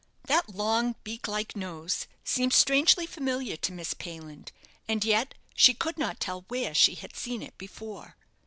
That long, beak like nose seemed strangely familiar to Miss Payland; and yet she could not tell where she had seen it before.